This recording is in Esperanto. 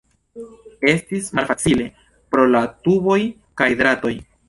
Estis malfacile pro la tuboj kaj dratoj.